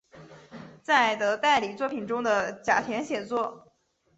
在的代理作品中的甲田写作。